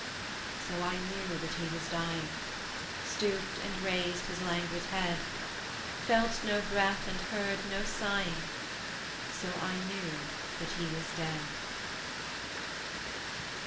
So I knew that he was dying Stooped, and raised his languid head; Felt no breath, and heard no sighing, So I knew that he was dead.